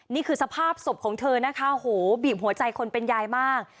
นี่คือสภาพศพของเธอนะคะโหบีบหัวใจคนเป็นยายมาก